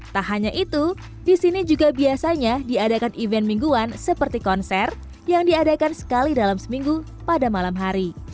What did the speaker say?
tak hanya itu di sini juga biasanya diadakan event mingguan seperti konser yang diadakan sekali dalam seminggu pada malam hari